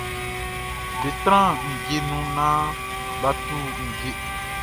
Be tran ndje nu nan ba tu ndje.